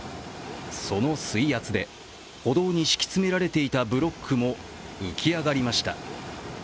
その水圧で、歩道に敷き詰められていたブロックも浮き上がりました。